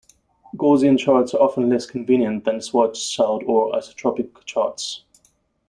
Gaussian charts are often less convenient than Schwarzschild or isotropic charts.